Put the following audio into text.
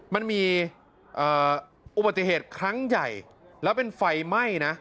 มันมีอุบัติเหตุครั้งใหญ่แล้วเป็นไฟไหม้นะ